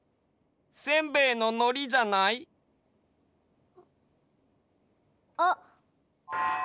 せんべいののりじゃない？あっ。